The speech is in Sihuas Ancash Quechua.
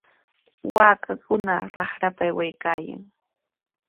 Waakakuna raqrapa aywaykaayan.